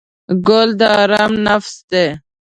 ګل د آرام نفس دی.